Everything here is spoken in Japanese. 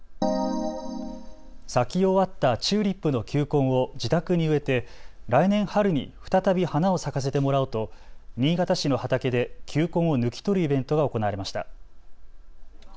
咲き終わったチューリップの球根を自宅に植えて来年春に再び花を咲かせてもらおうと新潟市の畑で球根を抜き取るイベントが行われました。